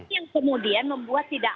yang kemudian membuat tidak